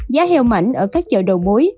giá heo mảnh ở các chợ đầu mối